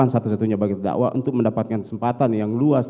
satu satunya bagi dakwah untuk mendapatkan kesempatan yang luas